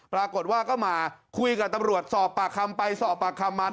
ปรากฏว่าก็มาคุยกับตำรวจสอบปากคำไปสอบปากคำมา